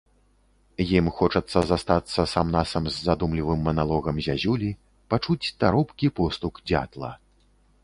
Ім хочацца застацца сам-насам з задумлівым маналогам зязюлі, пачуць таропкі постук дзятла.